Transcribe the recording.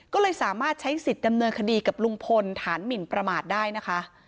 ก็เลยสามารถใช้สิทธิ์ดำเนินคดีกับลุงพลฐานหมินประมาทได้นะคะ